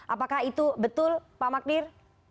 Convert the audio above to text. apakah itu betul pak magnir